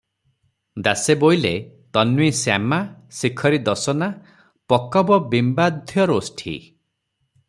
ଦାସେ ବୋଇଲେ --"ତନ୍ମୀ ଶ୍ୟାମା ଶିଖିରିଦଶନା ପକବବିମ୍ବାଧ୍ୟରୋଷ୍ଠୀ ।"